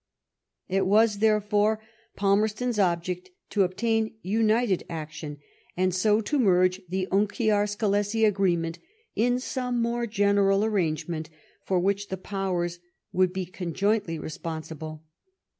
It was, therefore, Palmerston's object to obtain united action, and so to merge the Unkiar Skelessi agreement in some more general arrangement for which the Powers would be conjointly responsible.